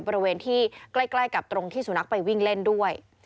บริเวณที่ใกล้กับตรงที่สุนัขไปวิ่งเล่นด้วย